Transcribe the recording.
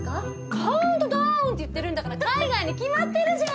カウントダウンって言ってるんだから海外に決まってるじゃん。